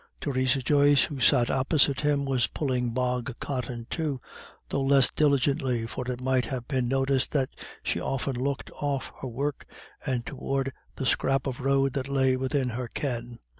Theresa Joyce, who sat opposite to him, was pulling bog cotton too, though less diligently, for it might have been noticed that she often looked off her work, and towards the scrap of road that lay within her ken.